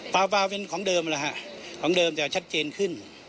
ฟ้าฟ้าเป็นของเดิมแล้วฮะของเดิมแต่ว่าชัดเจนขึ้น